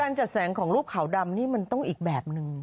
จัดแสงของรูปขาวดำนี่มันต้องอีกแบบนึง